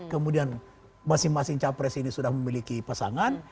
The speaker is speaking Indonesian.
kemudian masing masing capres ini sudah memiliki pasangan